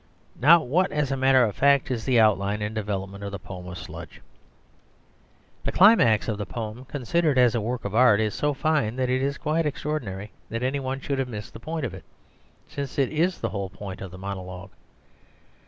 Now what, as a matter of fact, is the outline and development of the poem of "Sludge"? The climax of the poem, considered as a work of art, is so fine that it is quite extraordinary that any one should have missed the point of it, since it is the whole point of the monologue.